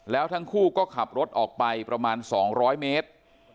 แล้วทั้งคู่ก็ขับรถออกไปประมาณ๒๐๐เมตร